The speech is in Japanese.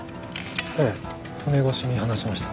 ええ船越しに話しました。